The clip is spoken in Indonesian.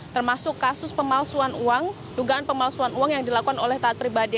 termasuk kasus pemalsuan uang dugaan pemalsuan uang yang dilakukan oleh taat pribadi